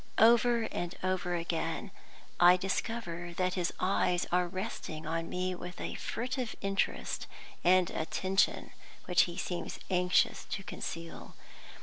Over and over again I discover that his eyes are resting on me with a furtive interest and attention which he seems anxious to conceal.